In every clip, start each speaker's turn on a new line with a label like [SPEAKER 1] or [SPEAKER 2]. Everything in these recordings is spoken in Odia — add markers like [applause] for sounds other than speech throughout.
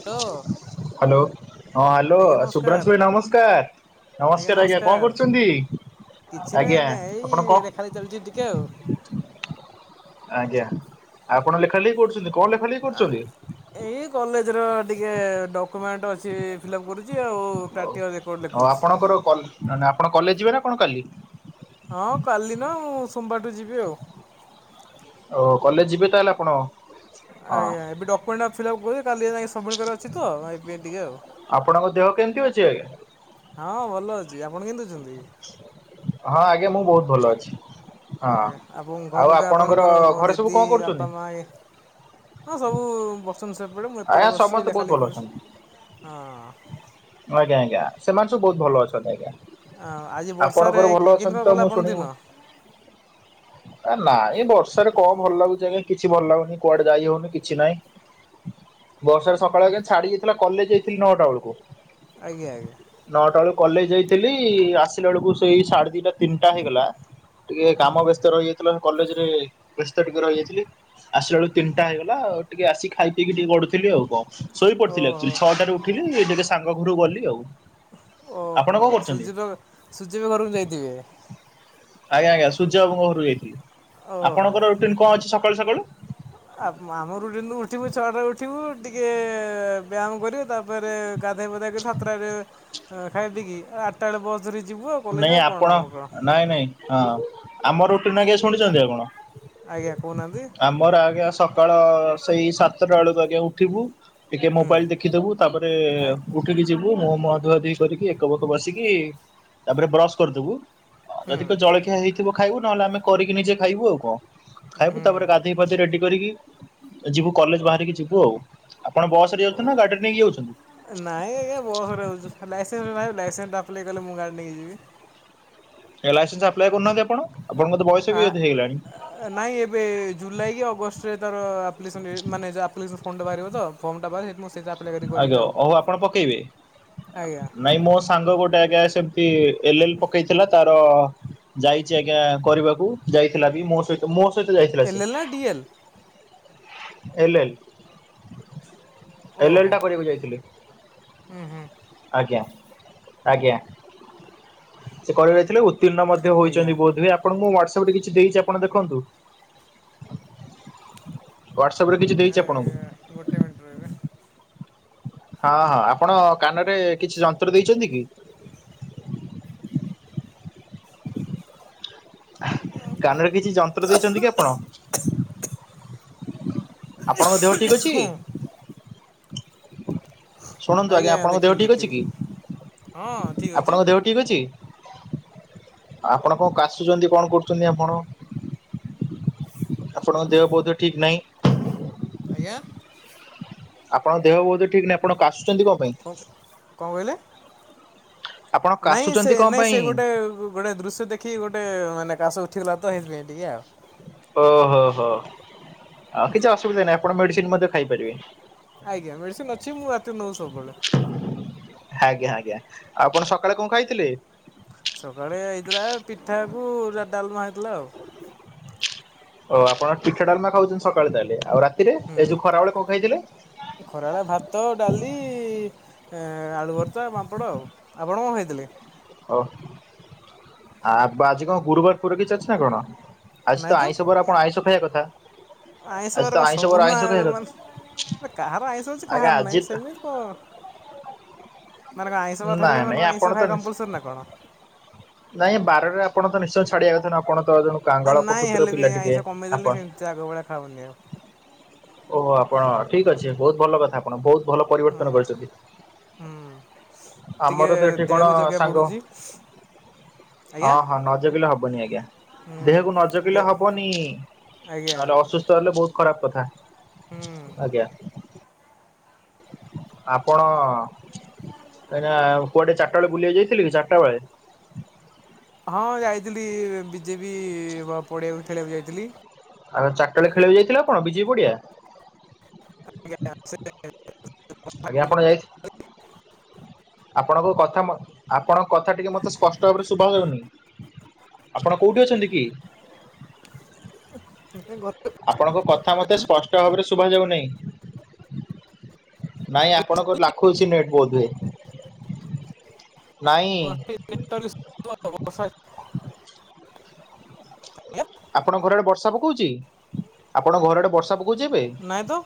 [SPEAKER 1] [unintelligible]
[SPEAKER 2] ହାଲୋ ହଁ ହାଲୋ
[SPEAKER 1] ଆଜ୍ଞା ନମସ୍କାର
[SPEAKER 2] ଶୁଭ୍ରାଂଶୁ ଭାଇ ନମସ୍କାର୍। ନମସ୍କାର୍ ଆଜ୍ଞା, କଣ କରୁଚନ୍ତି?
[SPEAKER 1] କିଛି ନାହିଁ ଆଜ୍ଞା, ଏଇ [unintelligible] ଚାଲିଛି ଟିକେ ଆଉ।
[SPEAKER 2] ଆଜ୍ଞା ଆପଣ ଲେଖାଲେଖି କରୁଚନ୍ତି, କଣ ଲେଖାଲେଖି? କରୁଛନ୍ତି?
[SPEAKER 1] ଏଇ କଲେଜ୍ ର ଟିକେ ଡକୁମେଣ୍ଟ ଅଛି ଫିଲ୍ଅପ କରୁଚି ଆଉ।
[SPEAKER 2] ହଉ
[SPEAKER 1] ପ୍ରାକ୍ଟିକାଲ ରେକର୍ଡ଼
[SPEAKER 2] ଆଉ
[SPEAKER 1] ଲେଖୁଛି।
[SPEAKER 2] ଆପଣଙ୍କର କଲ୍ ନା-ନା ଆପଣ କଲେଜ୍ ଯିବେ ନା କଣ କାଲି?
[SPEAKER 1] ହଁ କାଲି [unintelligible] ସୋମବାରଠୁ ଯିବି ଆଉ।
[SPEAKER 2] ଓ କଲେଜ୍ ଯିବେ ତାହେଲେ ଆପଣ? ହଁ
[SPEAKER 1] ଆଜ୍ଞା ଏବେ ଡକ୍ୟୁମେଣ୍ଟ ଟା ଫିଲ୍ଅପ୍ କରୁଚି କାଲି ଯାଇ ସବମିଟ୍ କରିଆ ଅଛି ତ [unintelligible]
[SPEAKER 2] ଆପଣଙ୍କ ଦେହ କେମ୍ତି ଅଛି ଆଜ୍ଞା?
[SPEAKER 1] ହଁ ଭଲ ଅଛି, ଆପଣ କେମ୍ତି ଅଛନ୍ତି?
[SPEAKER 2] ହଁ ଆଜ୍ଞା ମୁଁ ବହୁତ୍ ଭଲ ଅଛି। ହଁ
[SPEAKER 1] ଆଜ୍ଞା ଆପଣଙ୍କ ଘର
[SPEAKER 2] ଆଉ
[SPEAKER 1] ଲୋକ ଆପଣଙ୍କର
[SPEAKER 2] ଘରେ ସବୁ
[SPEAKER 1] ଦିଦି
[SPEAKER 2] କଣ କରୁଛନ୍ତି?
[SPEAKER 1] ବାପା ମା ଏ ହଁ ସବୁ ବସଚନ୍ତି ସେପଟେ ମୁଁ
[SPEAKER 2] ଆଜ୍ଞା
[SPEAKER 1] ଏପଟେ ବସିଛି
[SPEAKER 2] ସମସ୍ତେ ବହୁତ
[SPEAKER 1] ଲେଖା ଲେଖି
[SPEAKER 2] ଭଲ
[SPEAKER 1] କରୁଛି ହଁ।
[SPEAKER 2] ଆଜ୍ଞା-ଆଜ୍ଞା ସେମାନେ ସବୁ ବହୁତ୍ ଭଲ ଅଛନ୍ତି
[SPEAKER 1] ଆଜି
[SPEAKER 2] ଆଜ୍ଞା।
[SPEAKER 1] ବର୍ଷାରେ
[SPEAKER 2] ଆପଣଙ୍କର ଭଲ ଅଛନ୍ତି
[SPEAKER 1] କିନ୍କା
[SPEAKER 2] ତ
[SPEAKER 1] ଗଲା
[SPEAKER 2] ମୁଁ
[SPEAKER 1] ଆପଣ ଦିନ
[SPEAKER 2] [unintelligible] ଆ ନାଇଁ ବର୍ଷାରେ କଣ ଭଲ ଲାଗୁଚି ଆଜ୍ଞା କିଛି ଭଲ ଲାଗୁନି କୁଆଡେ ଯାଇ ହଉନି କିଛି ନାଇଁ। ବର୍ଷାରେ ସକାଳେ ଛାଡି ଯାଇଥିଲା କଲେଜ୍ ଯାଇଥିଲି ନଅଟା ବେଳୁକୁ।
[SPEAKER 1] ଆଜ୍ଞା-ଆଜ୍ଞା।
[SPEAKER 2] ନଅଟା ବେଳୁକୁ କଲେଜ୍ ଯାଇଥେଲି, ଆସିଲା ବେଳୁକୁ ସେଇ ସାଢ଼େ ଦିଇଟା ତିନିଟା ହେଇଗଲା। ଟିକେ
[SPEAKER 1] ହୁଁ
[SPEAKER 2] କାମ ବ୍ୟସ୍ତ ରହିଯାଇଥିଲା କଲେଜ୍ ରେ ବ୍ୟସ୍ତ ଟିକେ ରହିଯାଇଥିଲି। ଆସିଲ ବେଳୁକୁ ତିନିଟା ହେଇଗଲା ଆଉ ଟିକେ ଆସି ଖାଇ ପିଇି ଟିକେ ଗଡୁଥେଲି ଆଉ କଣ। ଶୋଇପଡିଥିଲି
[SPEAKER 1] ଓହୋ
[SPEAKER 2] ଆକ୍ଚୁଆଲି ଛଅଟାରେ ଉଠିଲି ଟିକେ ସାଙ୍ଗ ଘରୁକୁ ଗଲି ଆଉ। ଆପଣ
[SPEAKER 1] ଓହୋ
[SPEAKER 2] କଣ କରୁଛନ୍ତି?
[SPEAKER 1] [unintelligible] ଘରକୁ ଯାଇଥିବେ?
[SPEAKER 2] ଆଜ୍ଞା-ଆଜ୍ଞା ସୂର୍ଯ୍ୟ ବାବୁଙ୍କ ଘରୁକୁ ଯାଇଥିଲି,
[SPEAKER 1] ଓହୋ
[SPEAKER 2] ଆପଣଙ୍କର ରୁଟିନ୍ କଣ ଅଛି ସକାଳୁ-ସକାଳୁ?
[SPEAKER 1] ଆ ଆମ ରୁଟିନ୍ ଉଠିବୁ ଛୁଆଟା ଉଠିବୁ ଟିକେ ବ୍ୟାମ୍ କରିବୁ ତାପରେ ଗାଧେଇ ପାଧେଇ କିରି ସାତଟା ରେ ଖାଇ ପିଇକି ଆଠଟା ବେଳେ ବସ୍ ଧରି ଯିବୁ ଆଉ କଲେଜ୍ ଆଉ କଣ ଆମ କାମ।
[SPEAKER 2] ନାଇଁ-ନାଇଁ ହଁ ଆମ ରୁଟିନ୍ ଆଜ୍ଞା ଶୁଣିଚନ୍ତି ଆପଣ?
[SPEAKER 1] ଆଜ୍ଞା କହୁନାହାନ୍ତି।
[SPEAKER 2] ଆମର ଆଜ୍ଞା ସକାଳ ସେଇ ସାତଟା ବେଳକୁ ଆଜ୍ଞା ଉଠିବୁ। ଟିକେ
[SPEAKER 1] ହୁଁ
[SPEAKER 2] ମୋବାଇଲ୍ ଦେଖିଦବୁ ତାପରେ
[SPEAKER 1] ଆ
[SPEAKER 2] ଉ ଠିକି ଯିବୁ ମୁହଁ-ମୁଁହ ଧୁଆ ଧୁଇ କରିକି ଏକ ଫେକ ବସିକି ତାପରେ ବ୍ରସ୍ କରିଦଥିବୁ
[SPEAKER 1] ହୁଁ
[SPEAKER 2] ଯିଦି କ ଜଳଖିଆ ହେଇଥିବ ଖାଇବୁ, ନହେଲେ ଆମେ କରିକି ନିଜେ ଖାଇବୁ ଆଉ କଣ।
[SPEAKER 1] ହୁଁ
[SPEAKER 2] ଖାଇବୁ ତାପରେ ଗାଧେଇ ପାଧେଇ ରେଡି କରିକି ଯିବୁ କଲେଜ୍ ବାହାରିକି ଯିବୁ ଆଉ, ଆପଣ ବସ୍ ରେ ଯାଉଚନ୍ତି ନା ଗାଡିରେ ନେଇକି ଯାଉଚନ୍ତି?
[SPEAKER 1] ନାଇଁ ଆଜ୍ଞା ବସ୍ ରେ ଯାଉଚୁ, ଲାଇସେନ୍ସ [unintelligible] ଲାଇସେନ୍ସ ଟା ଆପ୍ଲାଏ କଲେ ମୁଁ ଗାଡି ନେଇକି ଯିବି।
[SPEAKER 2] ଲାଇସେନ୍ସ ଆପ୍ଲାଏ କରୁନାହାନ୍ତି ଆପଣ, ଆପଣଙ୍କର ତ ବୟସ
[SPEAKER 1] ଆ
[SPEAKER 2] ବି [unintelligible] ହେଇଗଲାଣି।
[SPEAKER 1] ନାଇଁ ଏବେ ଜୁଲାଇ କି ଅଗଷ୍ଟରେ ତାର [unintelligible] [unintelligible] ଫର୍ମ ଟା ବାହାରିବ ତ, ଫର୍ମ ଟା ବାହାରିବ ମୁଁ ସେଇ [unintelligible]
[SPEAKER 2] ଆଜ୍ଞା ହଉ ଆପଣ ପକେଇବେ,
[SPEAKER 1] ଆଜ୍ଞା
[SPEAKER 2] ନାଇଁ ମୋ ସାଙ୍ଗ ଗୋଟେ ଆଜ୍ଞା ସେମ୍ତି ଏଲ୍-ଏଲ୍ ପକେଇଥିଲା ତାର ଯାଇଚି ଆଜ୍ଞା କରିବାକୁ, ଯାଇଥିଲା ବି ମୋ ସହିତ। ତ ମୋ ସହିତ ଯାଇଥିଲା
[SPEAKER 1] ଏଲ୍
[SPEAKER 2] ସେ,
[SPEAKER 1] ଏଲ୍ ନା ଡି ଏଲ୍
[SPEAKER 2] ଏଲ୍-ଏଲ୍।
[SPEAKER 1] ଓହୋ।
[SPEAKER 2] ପଢ଼ିବାକୁ ଯାଇଥିଲି
[SPEAKER 1] ହୁଁ ହୁଁ
[SPEAKER 2] ଆଜ୍ଞା ଆଜ୍ଞା ସେ କଡ଼ିବ ଯାଇଥିଲେ ଉ ଉତୀର୍ଣ୍ଣ ମଧ୍ୟ
[SPEAKER 1] ଆଜ୍ଞା
[SPEAKER 2] ହୋଇଛନ୍ତି ବିଧୁଏ ଆପଣଙ୍କଙ ହ୍ୱାଟ୍ସସପ ରେକିଛି ଦେଇଛି ଆପଣ ଦେଖନ୍ତୁ। ହ୍ୱାଟ୍ସଆପ ରେ କିଛି ଦେଇଛି ଆପଣଙ୍କୁ।
[SPEAKER 1] ଆଜ୍ଞା ଗୋଟେ ମିନିଟ୍ ରହିବେ।
[SPEAKER 2] ହଁ ହଁ ଆପଣ କାନରେ କିଛି ଯନ୍ତ୍ର ଦେଇଛନ୍ତି କି? କାନରେ କିଛି ଯନ୍ତ୍ର ଦେଇଛନ୍ତି କି ଆପଣ। ଆପଣଙ୍କ ଦେହ ଠିକ୍ ଅଛି।। ଶୁଣନ୍ତୁ ଆଜ୍ଞା ଆପଣଙ୍କ ଦେହ ଠିକ୍ ଅଛି କି
[SPEAKER 1] ହଁ ଠିକ୍ ଅଛି
[SPEAKER 2] ଆପଣଙ୍କ ଦେହ। ଠିକ୍ ଅଛି। ଆପଣ କଣ କାସୁଛନ୍ତି କଣ କରୁଛନ୍ତି ଆପଣ। ଆପଣଙ୍କ ଦେହ ବହୁତ ଠିକ୍ ନାହିଁ।
[SPEAKER 1] ଆଜ୍ଞା।
[SPEAKER 2] ଆପଣ ଦେହ ବହୁତ ଠିକ ନାହିଁ ଆପଣ କାସୁଛନ୍ତି କଣ ପାଇଁ?
[SPEAKER 1] ହ କଣ କହିଲେ
[SPEAKER 2] ଆପଣ
[SPEAKER 1] ନାଇଁ ସେ
[SPEAKER 2] କାଶୁଛନ୍ତି କଣ
[SPEAKER 1] ନାଇଁ
[SPEAKER 2] ପାଇଁ?
[SPEAKER 1] ସେ ଗୋଟେ ଗୋଟେ ଦୃଶ୍ୟ ଦେଖି ଗୋଟେ ମାନେ କାଶ ଉଠିଗଲା ତ ଏଇଥିପାଇଁ ଟିକେ ଆଉ।
[SPEAKER 2] ଓହୋ ହୋ ହୋ ଆଉ କିଛି ଅସୁବିଧା ନାହିଁ ଆପଣ ମେଡିସିନ ମଧ୍ୟ ଖାଇପାରିବେ।
[SPEAKER 1] ଆଜ୍ଞା ମେଡ଼ିସିନ ଅଛି ମୁଁ ରାତି ନଉ ସବୁବେଳେ।
[SPEAKER 2] ଆଜ୍ଞା ଆଜ୍ଞା ଆପଣ ସକାଳେ କଣ ଖାଇଥିଲେ।
[SPEAKER 1] ସକାଳେ ହେଇଥିଲା ପିଠାକୁ ଡାଲମା ହେଇଥିଲା ଆଉ।
[SPEAKER 2] ଓ ଆପଣ ପିଠା ଡାଲମା ଖାଉଛନ୍ତି ସକାଳେ ତାହେଲେ ଆଉ ରାତିରେ ଏ ଯୋଉ
[SPEAKER 1] ହୁଁ
[SPEAKER 2] ଖରା ବେଳେ କଣ ଖାଇଥିଲେ।
[SPEAKER 1] ଖରାବେଳେ ଭାତ ଡାଲି। ଏ ଆଳୁ ଭର୍ତ୍ତା ବାମ୍ପଡ଼ ଆଉ, ଆପଣ କଣ ଖାଇଥିଲେ।
[SPEAKER 2] ହ ଆବା ଆଜି କଣ ଗୁରୁବାର ପୁର କିଛି ଅଛି ନ କଣ? ଆଜି ତ ଆଇଁଷବର ଆପଣ ଆଇଁଷ ଖାଇବା କଥା
[SPEAKER 1] ଆଇଁଷ ବାର
[SPEAKER 2] ଆଜି ତ
[SPEAKER 1] କଣ
[SPEAKER 2] ଆଇଁଷବର
[SPEAKER 1] ସବୁଦିନ
[SPEAKER 2] ଆଇଁଷ ଖାଇବା
[SPEAKER 1] ମାନେ
[SPEAKER 2] କଥା
[SPEAKER 1] କାହାର ଆଇଶ ଅଛି କାହାର
[SPEAKER 2] ଆଜ୍ଞା ଆଜି
[SPEAKER 1] ନାହିଁ ସେମିତି କଣ। ମାନେ ଆଇଁଷ ବାର ହେଲେ
[SPEAKER 2] ନାଇଁ
[SPEAKER 1] ମାନେ
[SPEAKER 2] ନାଇଁ
[SPEAKER 1] ଆଇଁଷ
[SPEAKER 2] ଆପଣ ତ
[SPEAKER 1] ଖାଇ
[SPEAKER 2] ନିଶ୍ଚ
[SPEAKER 1] କମ୍ପଲସରୀ ନା କଣ।
[SPEAKER 2] ନାଇଁ ବାରରେ ଆପଣ ତ ନିଶ୍ଚୟ ଛାଡିଆକୁୁ ଆପଣ ତ କାଙ୍ଗାଳ
[SPEAKER 1] ନାଇଁ
[SPEAKER 2] ପ୍ରକୃତିର
[SPEAKER 1] ହେଲେ
[SPEAKER 2] ପିଲା
[SPEAKER 1] ବି
[SPEAKER 2] ଟିକେ
[SPEAKER 1] ଆଇଁଷ
[SPEAKER 2] ଆପଣ
[SPEAKER 1] କମେଇଦେଲି ସେମିତି ଆଗ ଭଳିଆ ଖାଉନି ଆଉ।
[SPEAKER 2] ଓହୋ ଆପଣ ଠିକ୍ ଅଛି ବହୁତ ଭଲ କଥା ଆପଣ ବହୁତ ଭଲ ପରିବର୍ତ୍ତନ
[SPEAKER 1] ହଁ।
[SPEAKER 2] କରିଛନ୍ତି।
[SPEAKER 1] ହୁଁ। ଟିକେ
[SPEAKER 2] ଆମର ତ ଏଠି କଣ
[SPEAKER 1] ଦେହକୁ ଜଗିବାକୁ
[SPEAKER 2] ସାଙ୍ଗ।
[SPEAKER 1] ପଡ଼ୁଛି।
[SPEAKER 2] ହଁ
[SPEAKER 1] ଆଜ୍ଞା
[SPEAKER 2] ହଁ ନଜକିଲେ ହବନି ଆଜ୍ଞା
[SPEAKER 1] ହୁଁ
[SPEAKER 2] ଦେହକୁ ନଜକିଲେ ହବନି।
[SPEAKER 1] ଆଜ୍ଞା
[SPEAKER 2] ନହେଲେ ଅସୁସ୍ଥ ହେଲେ ବହୁତ ଖରାପ କଥା।
[SPEAKER 1] ହୁଁ।
[SPEAKER 2] ଆଜ୍ଞା। ଆପଣ କେବେ କୁଆଡ଼େ ଚାରିଟା ବେଳେ ବୁଲିବାକୁ ଯାଇଥିଲେ କି ଚାରିଟା ବେଳେ।
[SPEAKER 1] ହଁ ଯାଇଥିଲି ବିଜେପି ବା ପଡ଼ିଆକୁ ଖେଳିବାକୁ ଯାଇଥିଲି।
[SPEAKER 2] ଆଉ ଚାରିଟାବେଳେ ଖେଳ ବି ଯାଇଥିଲା ଆପଣ ବିଜେପି ପଡିଆ।
[SPEAKER 1] ଆଜ୍ଞା ଆ ସେ [unintelligible]
[SPEAKER 2] ଆଜ୍ଞା ଆପଣ ଯାଇଥି ଆପଣଙ୍କ କଥା ଆପଣଙ୍କ କଥା ଟିକେ ମୋତେ ସ୍ପଷ୍ଟ ଭାବରେ ଶୁଭାଯାଉନି। ଆପଣ କୋଉଠି ଅଛନ୍ତି କି?
[SPEAKER 1] େ [unintelligible]
[SPEAKER 2] ଆପଣଙ୍କ କଥା ମୋତେ ସ୍ପଷ୍ଟ ଭାବରେ ଶୁଭାଯାଉନାହିଁ। ନାଇଁ ଆପଣଙ୍କର ଲାଖୁ ଅଛି ନେଟ୍ ବୋଧୁଏ ହୁଏ। ନାଇଁ
[SPEAKER 1] ଷ [inaudible]
[SPEAKER 2] ଆପଣଙ୍କ ଘର ଆଡ଼େ ବର୍ଷା ପକାଉଛି ଆପଣ ଘର ଆଡ଼େ ବର୍ଷା ପକାଉଛି ଏବେ।
[SPEAKER 1] ନହିଁ ତ।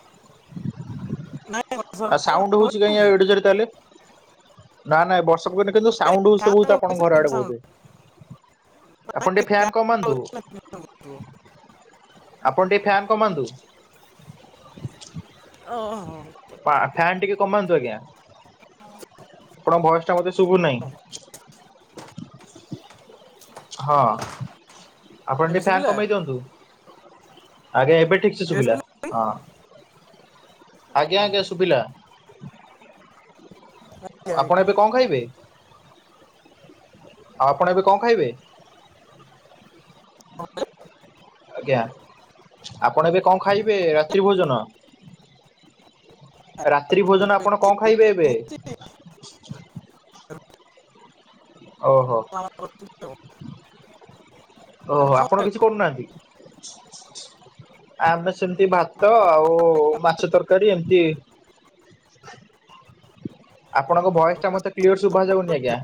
[SPEAKER 1] ନାଇଁ ବର୍ଷା
[SPEAKER 2] ଆଉ
[SPEAKER 1] ହଉନି ତ
[SPEAKER 2] ସାଉଟ
[SPEAKER 1] ଆପଣଙ୍କ ଆଡେ
[SPEAKER 2] ହଉଛି ଏଡେ ଜୋର ତା ହେଲେ ନା ନା ବର୍ଷା ସବୁବେନେ କିନ୍ତୁ,
[SPEAKER 1] ନାଇଁ
[SPEAKER 2] ସାଉଣ୍ଡ ହଉଛି ତ ବହୁତ ଆପଣଙ୍କ ଘର
[SPEAKER 1] ଏବେ
[SPEAKER 2] ଆଡେ ବୋଧ ହୁଏ। ଆପଣ
[SPEAKER 1] ନାଇଁ
[SPEAKER 2] ଟିକେ ଫ୍ୟାନ୍ କମାନ୍ତୁ? ଆପଣ ଟିକେ ଫ୍ୟାନ୍ କମାନ୍ତୁ?
[SPEAKER 1] ଓ ହଉ।
[SPEAKER 2] ପା ଫ୍ୟାନ୍ ଟିକେ କମାନ୍ତୁ ଆଜ୍ଞା।
[SPEAKER 1] ହଁ।
[SPEAKER 2] ଆପଣ ଭୟସ୍ ଟା ମୋତେ ଶୁଭୁ ନାହିଁ। ହଁ, ଆପଣ
[SPEAKER 1] ଏବେ
[SPEAKER 2] ଟିକେ ଫ୍ୟାନ୍
[SPEAKER 1] ଶୁଭିଲା
[SPEAKER 2] କମେଇ ଦିଅନ୍ତୁ? ଆଜ୍ଞା, ଏବେ ଠିକ୍ ସେ ଶୁଭିଲା। ହଁ, ଆଜ୍ଞା
[SPEAKER 1] ଓହୋ।
[SPEAKER 2] ଆଜ୍ଞା ଶୁଭିଲା। ଆପଣ ଏବେ କଣ ଖାଇବେ? ଆଉ, ଆପଣ ଏବେ କଣ ଖାଇବେ? ଆଜ୍ଞା, ଆପଣ ଏବେ କଣ ଖାଇବେ ରାତ୍ରି ଭୋଜନ? ରାତ୍ରି ଭୋଜନ ଆପଣ କଣ ଖାଇବେ ଏବେ? ଓହୋ
[SPEAKER 1] [inaudible]
[SPEAKER 2] ଓହୋ! ଆପଣ କିଛି କରୁନାହାଁନ୍ତି? ଆମେ ସେମିତି ଭାତ, ଆଉ ମାଛ ତରକାରୀ ଏମତି ଆପଣଙ୍କ ଭଏସ୍ ଟା ମତେ କ୍ଲିୟର୍ ଶୁଭାଯାଉନି ଆଜ୍ଞା।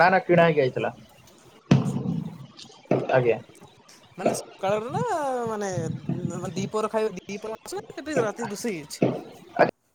[SPEAKER 2] ନା, ନା, କିଣା ହେଇକି ଆଇଥିଲା। ଆଜ୍ଞା।
[SPEAKER 1] ମାନେ ସକାଳର ନା ମାନେ, ମାନ୍ ଦିପର ଖାଇ ଦିପର ଅଛି ନା, ଏବେ ସେ ରାତି ରୁଷେଇ ଏଇଛି?